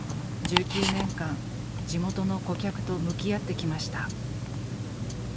１９年間地元の顧客と向き合ってきました。